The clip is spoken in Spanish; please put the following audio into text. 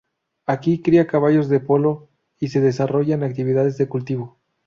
Aquí cría caballos de polo y se desarrollan actividades de cultivo.